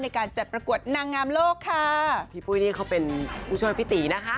เตรียมงานไม่ทันหรอกค่ะแล้วก็พี่เหนื่อยมาก